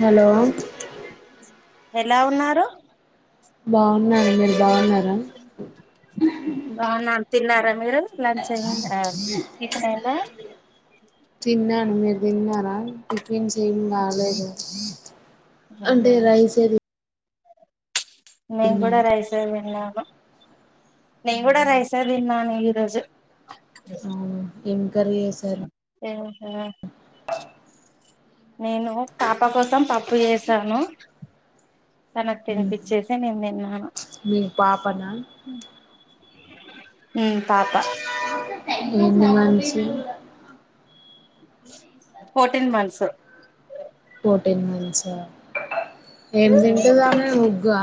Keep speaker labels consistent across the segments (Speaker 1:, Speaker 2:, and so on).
Speaker 1: Hello
Speaker 2: ఎలా ఉన్నారు
Speaker 1: బాగున్నా బావున్నారా
Speaker 2: బాగున్నాను తిన్నారా మీరు లంచం ఏంది ఆహ్
Speaker 1: తిన్నాను మీరు తిన్నారా ఏం చేయన్నాళ్లయా అంటే రైసేది
Speaker 2: మేను కూడా రైసే తిన్నాము విన్నాను ఈరోజు
Speaker 1: ఇం
Speaker 2: ఆహా నేను పాపా కోసం పప్పు చేసాను తనకు తినిపించేసి నేను తన్నాను
Speaker 1: మీ పాపనా
Speaker 2: పాప
Speaker 1: ఎన్ని months
Speaker 2: fourteen months
Speaker 1: fourteen months ఏమి తింటదామే ముగ్గా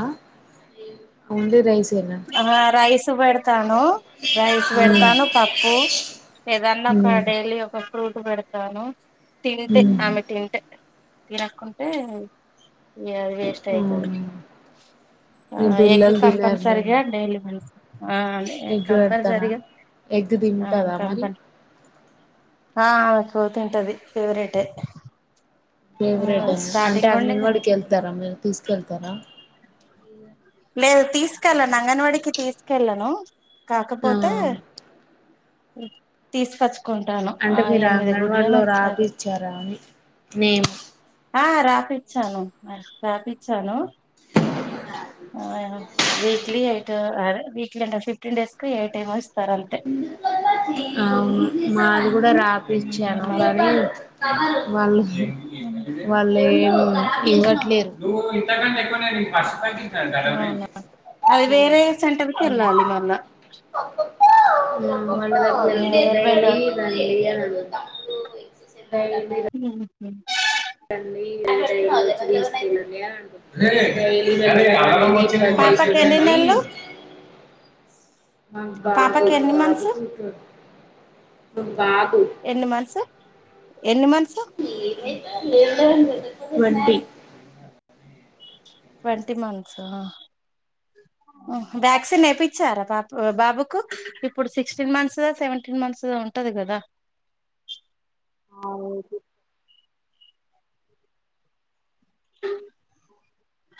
Speaker 1: ఓన్లీ రైస్
Speaker 2: ఆ రైస్ సు పెడతాను ను రైస్
Speaker 1: మ్మ్.
Speaker 2: పెడతాను
Speaker 1: మ్మ్.
Speaker 2: ఫ్రూట్ పెడతాను తింటే
Speaker 1: మ్మ్.
Speaker 2: ఆమె తింటె తీరక్కుంటే ఇ అది వేస్ట్ అయితది
Speaker 1: అవునా ఇగ
Speaker 2: ఎగ్
Speaker 1: పిల్లలు
Speaker 2: కంపన్ సరిగ్గా
Speaker 1: తినరులేండి
Speaker 2: డైలీ వెళ్తు
Speaker 1: ఎగ్ పెడతారా ఎగ్
Speaker 2: ఆ
Speaker 1: తింటదా మరి
Speaker 2: కంపల్ ఆ ఆమెకు పోతుంటది ఫేవరెటే ఆ
Speaker 1: ఫేవరేట్ అండి అంటే
Speaker 2: స్టార్టింగ్ నుండి
Speaker 1: అంగన్వాడికి వెళ్తారా మీరు తీసుకెళ్తారా
Speaker 2: లేదు తీసుకెళ్ళను అంగన్వాడికి తీసుకెళ్ళలను
Speaker 1: ఆ
Speaker 2: కాకపోతే తీసుకొచ్చి
Speaker 1: అంటే మీరు ఆ అంగన్వాడిలో
Speaker 2: ఇస్తారు
Speaker 1: రాపిచ్చారా అని నేం
Speaker 2: ఆ రాపిచ్చాను రాపిచ్చాను ఆ వీక్లీ ఎయిట్ వీక్లీ అంట ఫిఫ్టీన్ డేస్ కి ఎయిట్ ఏమో ఇస్తారు అంతే
Speaker 1: అ మా మాది కూడా రాపిచ్చాను గానీ వాళ్ళు
Speaker 2: అవునా
Speaker 1: వాళ్ళే హ్మ్ ఇవ్వట్లేదు
Speaker 2: అవునా అది వేరే సెంటర్కి వెళ్ళాలి మళ్ళా
Speaker 1: [unintelligible] [unintelligible] రోజు
Speaker 2: నియర్ బై గా
Speaker 1: ఎక్ససైజ్ [unintelligible]
Speaker 2: అ
Speaker 1: [inaudible] [inaudible]
Speaker 2: పాపకి ఎన్ని
Speaker 1: తెచ్చి
Speaker 2: నెలలు
Speaker 1: ఇవండీ మ బాబు
Speaker 2: పాపకి ఎన్ని మంత్స్
Speaker 1: బాబుకి అ బాగు
Speaker 2: ఎన్ని మంత్స్ ఎన్ని మంత్స్
Speaker 1: ట్వంటీ
Speaker 2: ట్వంటీ మంత్సా హెన్ వ్యాక్సిన్ ఎపిచ్చారా బప బాబుకు ఇప్పుడు సిక్స్టీన్ మంత్స్ సెవెంటీన్ మంత్స్ ఉంటది కదా
Speaker 1: అవును ఎపి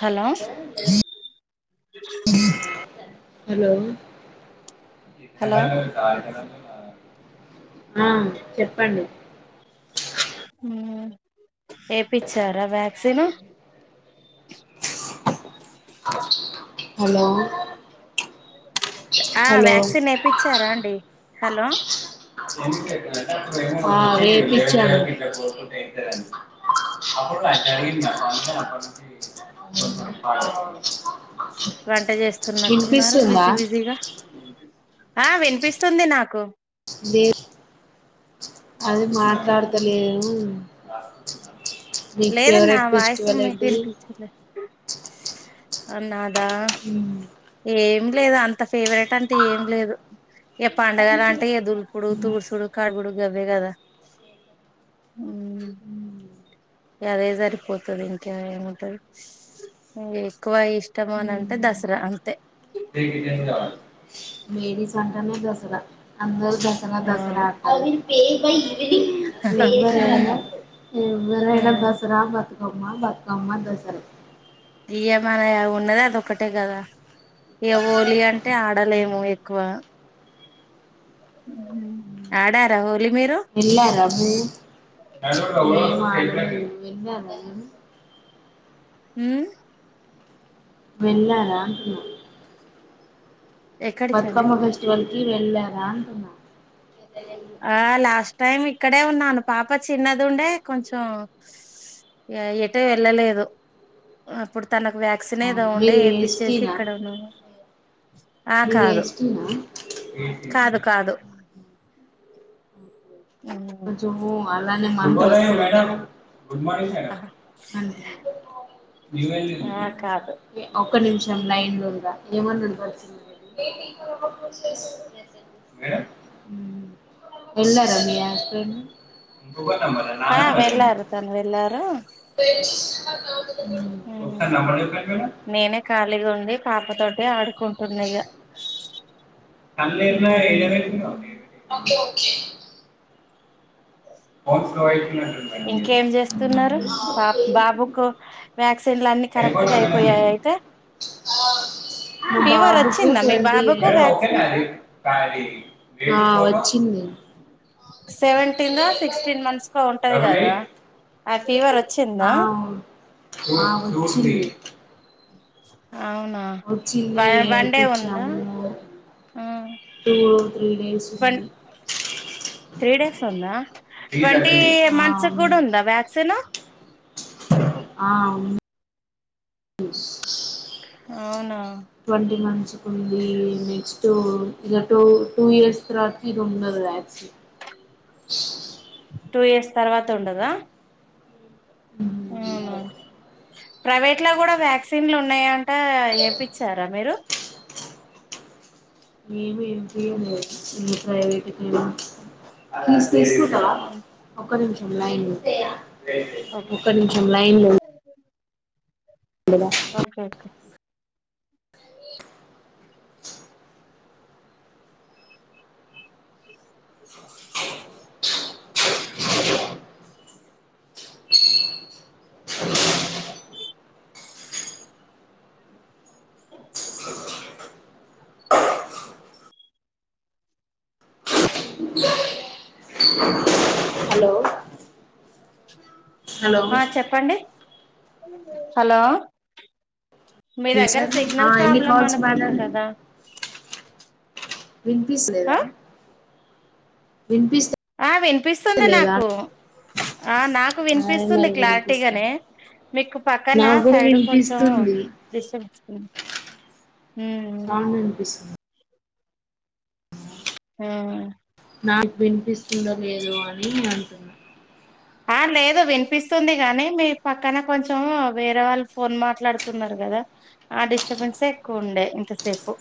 Speaker 2: హలో
Speaker 1: హలో
Speaker 2: హలో
Speaker 1: [unintelligible] ఆడుతరా ఆ చెప్పండి
Speaker 2: హ్మ్ ఏపిచ్చారా వ్యాక్సిను
Speaker 1: హలో
Speaker 2: ఆ
Speaker 1: హలో
Speaker 2: వ్యాక్సిన్ ఎపించారా అండి హలో
Speaker 1: చె ఆ ఏ ఇచ్చాను
Speaker 2: వంట చేస్తున్నట్టున్నారు
Speaker 1: కనిపిస్తు ఉందా
Speaker 2: బిజీ బిజీగా ఆ వినిపిస్తుంది నాకు
Speaker 1: అది మాట్డుతలే
Speaker 2: లేదండి నా వాయసు
Speaker 1: ఫెస్టివల్
Speaker 2: మీకు
Speaker 1: ఏంటిది
Speaker 2: వినిపించలే అన్నా ఆ ఏ ఏం లేదు అంత ఫేవరెట్ అంటే ఏం లేదు ఇక పండగలు అంటే అ దుల్ పుడు తూర్సుడు కార్బడు బే కద అదే సరిపోతుది ఇంకా ఏమంటది ఎక్కువ ఇష్టం అని అంటే దసరా అంతే
Speaker 1: మడస్ అంటనే దసరా అందరు దసరా దసరా
Speaker 2: అవును
Speaker 1: అ బ ఎ్వర్వర ఎ బసరా పా మ్మ బకమ్మ దసరా
Speaker 2: ఇయమనా ఉన్నదా అద ఒక్కటే కదా వోలి అంటే ఆడలేము ఎక్కువ ఆడార హోలీ మీరు
Speaker 1: ఎలా రబు మాన్న అ
Speaker 2: హ
Speaker 1: వెళ్ళాలా
Speaker 2: ఎక్కడికండి
Speaker 1: బతుకమ్మ ఫెస్టివల్ కి వెళ్ళా వతున్నా
Speaker 2: ఆ లాస్ట్ టైం ఇక్కడే ఉన్నాను పాప చిన్నది ఉండే కొంచెం ఎటు వెళ్ళలేదు అప్పుడు తనకు వ్యాక్సిన్ ఏదో
Speaker 1: అవును
Speaker 2: ఉండే
Speaker 1: మీరు
Speaker 2: ఏపిచ్చేసి
Speaker 1: ఎస్టీనా
Speaker 2: ఇక్కడ ఉన్నాను ఆ
Speaker 1: మీరు
Speaker 2: కాదు
Speaker 1: ఏస్తున్ర
Speaker 2: కాదు కాదు ఆ
Speaker 1: మేడమ్ గుడ్ మార్నింగ్ మేడమ్
Speaker 2: ఆ కాదు
Speaker 1: ఒక నిమిషం లైన్లుండరా ఏమన్నాది ఏళ్ల రమ్యా అన్ ఇంకో నంబర్ నా
Speaker 2: ఆ
Speaker 1: నెంబర్ ఇది
Speaker 2: వెళ్ళారు తను వెళ్ళారు
Speaker 1: హ్ అన్
Speaker 2: నేనే ఖాళీగా ఉండి పాపతో ఎ ఆడు కుడుతున్న ఇగ
Speaker 1: పల్లె ఇలవేల్పుగా ఉండేది ఓకే ఫోన్ స్లో అయ
Speaker 2: ఇంకేం చేస్తున్నారు బాబుకు వ్యాక్సిన్లు అన్ని కరెక్ట్ గా
Speaker 1: అయిపోనా మేడం
Speaker 2: అయిపోయాయి
Speaker 1: మీది
Speaker 2: అయితే
Speaker 1: మా
Speaker 2: ఫీవర్
Speaker 1: బాబుకు
Speaker 2: వచ్చిందా మీ
Speaker 1: ట్వంటీ ఎయిట్
Speaker 2: బాబుకు
Speaker 1: మేడం ఓకేనా
Speaker 2: వ్యాక్సిన్ కు
Speaker 1: అది హు
Speaker 2: సెవెంటీన్ దా సిక్సటీన్ మంత్స్ కో ఉంటాది
Speaker 1: డబుల్
Speaker 2: కదా
Speaker 1: ఎయిట్
Speaker 2: ఆ ఫీవర్ వచ్చిందా
Speaker 1: రూ స్టేట్
Speaker 2: అవునా
Speaker 1: చల్లీ
Speaker 2: వన్ వన్ డే ఉందా
Speaker 1: జమును తూ
Speaker 2: ట్ త్రీ డేస్ ఉందా
Speaker 1: డి
Speaker 2: ట్వంటీ
Speaker 1: రజని ఆ,
Speaker 2: మంత్స్
Speaker 1: ఉంది.
Speaker 2: కూడా ఉందా వ్యాక్సిన్
Speaker 1: ఆ స్
Speaker 2: అవునా
Speaker 1: ట్వంటీ మంత్స్ కు ఉంది నెక్స్ట్ ఇగ టూ టూ ఇయర్స్ తర్వాత ఇది ఉన్నది వ్యాక్సిన్
Speaker 2: టూ ఇయర్స్ తర్వాత ఉండదా అవునా ప్రైవేట్లల కూడా వ్యాక్సిన్లు ఉన్నాయా ఆ ఎపిచారా మీరు
Speaker 1: మ ఏం ప్రైవేట్ ఫేస్బుక్ ఆ ఒక నిమిషం లైన్ ఉండు
Speaker 2: ఓకే
Speaker 1: ఒక్క నిమిషం లైన్లో ఉండు
Speaker 2: ఓకే ఓకే
Speaker 1: హలో హలో
Speaker 2: ఆ చెప్పండి హలో మీ దగ్గర సిగ్నల్
Speaker 1: ఎన్ని
Speaker 2: ప్రాబ్లం
Speaker 1: కాల్స్
Speaker 2: అనుకుంటు
Speaker 1: మేడం
Speaker 2: కదా
Speaker 1: విన్పిస్ లేదా
Speaker 2: ఆ ఆ వినిపిస్తుంది నాకు ఆ నా నాకు
Speaker 1: అదే
Speaker 2: వినిపిస్తుంది
Speaker 1: మరి వినిపిస్తుంది
Speaker 2: క్లారిటీగానే మీకు పక్కన
Speaker 1: నాకు కూడా
Speaker 2: సైడ్ కొంచం
Speaker 1: వినిపిస్తుంది
Speaker 2: డిస్టబ్స్తుంది
Speaker 1: నాకు గుడ వినిపిస్తుంది
Speaker 2: ఆ
Speaker 1: నాకు వినిపిస్తుండ లేదు అని అంటున్నా
Speaker 2: ఆ లేదు వినిపిస్తుంది గానీ మీ పక్కన కొంచం వేరే వాళ్ళు ఫోన్ మాట్లాడుతున్నారు కదా ఆ డిస్టర్బెన్సే ఎక్కువ ఉండే ఇంతసేపు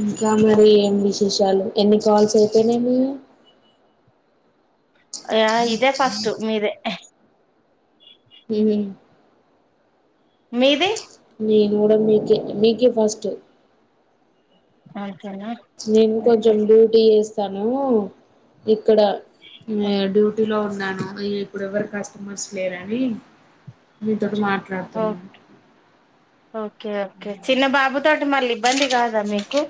Speaker 1: ఇంకా మరి ఏ విశేషాలు ఎన్ కాల్స్ అయిపోనవి
Speaker 2: ఆ ఇదే ఫస్ట్ మీదే
Speaker 1: హ్మ్
Speaker 2: మీది
Speaker 1: నేను కూడా మీకే మీకే ఫస్ట్
Speaker 2: ఆ
Speaker 1: నేను కొంచం డ్యూటీ చేస్తా హలో ఇ ఇక్కడ డ్యూటీలో ఇప్పుడు ఎవరు కస్టమర్స్ లేరని మీతోటి మాట్
Speaker 2: ఓ ఓకే ఓకే చిన్న బాబు తోటి మళ్ళీ ఇబ్బంది కాదా మీకు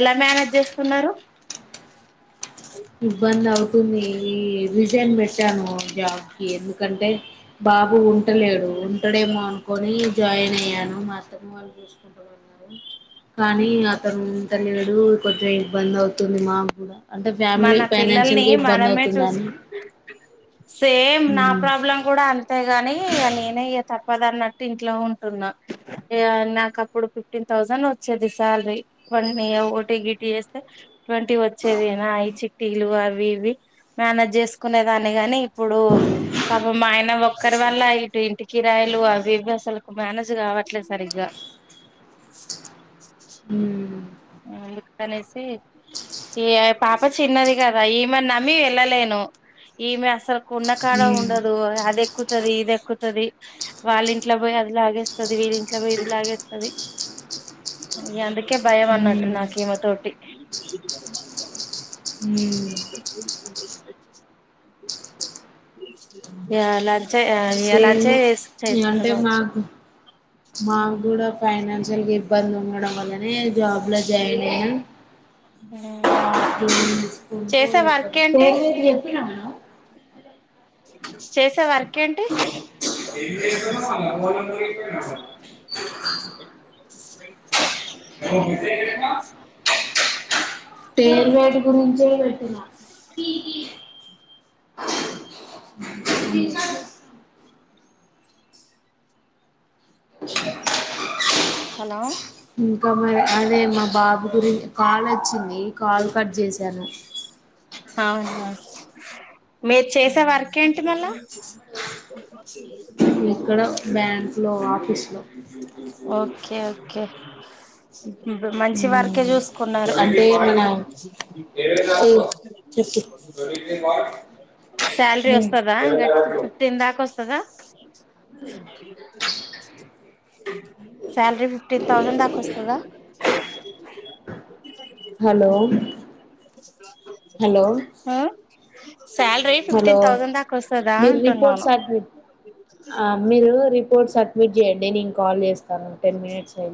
Speaker 2: ఎలా మేనేజ్ చేస్తున్నరు
Speaker 1: ఇబ్బంది అవుతుంది రిజైన్ పెట్టాను జాబ్కి ఎందుకంటే బాబు ఉంటలేడు ఉంటడేమో అన్ కొని జాయిన్ అయ్యాను మా కానీ ఉంటలేడు [inaudible] బంద్ అవుతుంది మా గుడా అ
Speaker 2: మన పిల్లల్ని మనమే చూసు సేమ్ నా
Speaker 1: మ్మ్
Speaker 2: ప్రాబ్లం గుడ అంతే గానీ నేనే ఇగ తప్పదన్నట్టు ఇంట్లో ఉంటున్నా ఇగ నాక్ అప్పుడు ఫిఫ్టీన్ థౌసండ్ వచ్చేది సాలరీ ఓటీ గిటి చేస్తే ట్వంటీ వచ్చేది ఆ ఈ చిట్టీలు అవి ఇవి మేనేజ్ చేసుకునేదాన్ని గని ఇప్పుడు పాపం మా ఆయన ఒక్కరి వల్ల ఇటు ఇంటి కిరాయలు అవి ఇవి అసలు మేనేజ్ కావట్లే సరిగా
Speaker 1: మ్మ్
Speaker 2: అందుకనేసి ఈ పాప చిన్నది కదా ఈమెన్ నమ్మి ఎళ్ళలేను ఈమె అసల్ కున్న కాడ ఉండదు అది ఎక్కుతుద ఇది ఎక్కుతది వాళ్ళ ఇంట్ల పోయి అది లాగేస్తది వీళంట్లో పోయి ఇది లాగేస్తది ఇగ అందుకే భయం అన్నట్
Speaker 1: మ్మ్
Speaker 2: నాకిమతోటి
Speaker 1: మ్మ్ మ్మ్
Speaker 2: లంచే
Speaker 1: సేమ్
Speaker 2: లంచే చేస్ చేస్తారు
Speaker 1: అంటే
Speaker 2: కావచ్చు
Speaker 1: మాకు మాకు గుడా ఫైనల్ అసలుకి ఇబ్బంది ఉండడం వల్లనే జాబ్లో జాయిన్ అయినా
Speaker 2: చేసే వర్క్ ఏంటి
Speaker 1: [inaudible]
Speaker 2: చేసా వర్కేంటి
Speaker 1: ఏ [inaudible] టేర్వేట్ గురించే పెట్టినా
Speaker 2: హలో
Speaker 1: ఇంకా మరి అదే మా బాబు గురించి కాలు వచ్చింది కాలు కట్ చేసాను
Speaker 2: అవును మీరు చేసే వర్క్ ఏంటి మళ్ళా
Speaker 1: ఇక్కడ బ్యాం స్లో
Speaker 2: ఓకే ఓకే ఇ మంచి వర్కీ చూసుకున్నారు
Speaker 1: అంటే మన చెప్పు
Speaker 2: సాలరీ వస్తదా ఇక ఫిఫ్టీన్ దాక వస్తాద శాలరీ ఫిఫ్టీన్ థౌజండ్ దాకా వస్తుందా
Speaker 1: హలో హలో
Speaker 2: ఆ అ
Speaker 1: హలో మీరు రిపోర్ట్
Speaker 2: అంటున్నాను
Speaker 1: మీరు రిపోర్ట్ మీ జడ్డే నేను కాల్ చేస్తాను టెన్ మినిట్స్ అయి